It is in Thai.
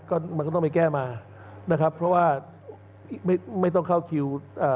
ก็มันก็ต้องไปแก้มานะครับเพราะว่าไม่ไม่ต้องเข้าคิวอ่า